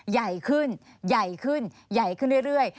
ใหญ่ขึ้นใหญ่ขึ้นใหญ่ขึ้นเรื่อย